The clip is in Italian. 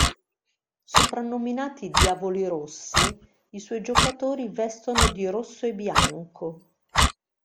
Soprannominati "Diavoli Rossi", i suoi giocatori vestono di rosso e bianco.